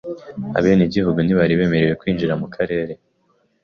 Abenegihugu ntibari bemerewe kwinjira mu karere.